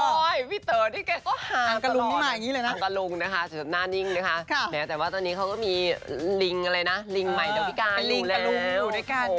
พี่เต๋อที่ก็หาตลอดนะครับอังกระลุงนะคะหน้านิ่งนะคะแต่ว่าตอนนี้เขามีลิงอะไรนะลิงใหม่ดอกอีกแล้ว